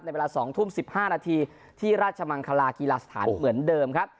เวลา๒ทุ่ม๑๕นาทีที่ราชมังคลากีฬาสถานเหมือนเดิมครับ